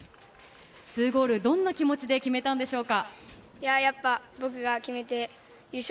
２ゴール、どんな気持ちで決めたんでしょうか？